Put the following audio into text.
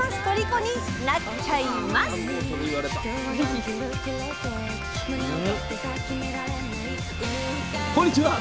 こんにちは。